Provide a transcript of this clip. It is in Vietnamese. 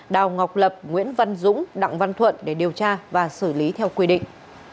đào ngọc lập nguyễn văn dũng đặng văn thuận để điều tra và xử lý theo quy định